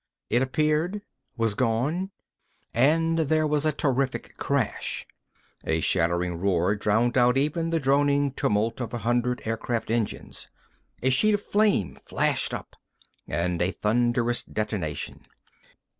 It appeared, was gone—and there was a terrific crash. A shattering roar drowned out even the droning tumult of a hundred aircraft engines. A sheet of flame flashed up, and a thunderous detonation.